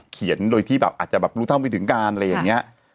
เขียนโดยที่แบบอาจจะแบบรู้เท่าไม่ถึงการอะไรอย่างนี้